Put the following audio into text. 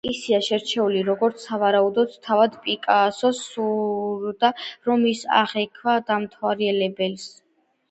ისეა შერჩეული, როგორც სავარაუდოდ თავად პიკასოს სურდა, რომ ის აღექვა დამთვალიერებელს.